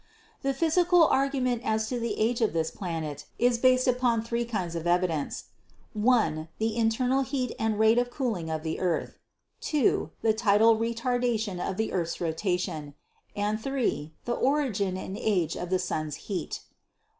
The physical argument as to the age of this planet is based upon three kinds of evidence: (1) The internal heat and rate of cooling of the earth; (2) the tidal retardation of the earth's rotation; and (3) the origin and age of the sun's heat.